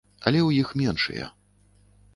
Але ў іх меншыя.